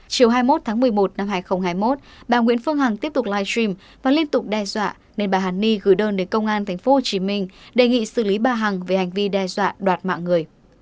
chiều hai mươi một tháng một mươi một năm hai nghìn hai mươi một bà nguyễn phương hằng tiếp tục live stream và liên tục đe dọa nên bà hàn ni gửi đơn đến công an tp hcm đề nghị xử lý bà hằng về hành vi đe dọa đoạt mạng người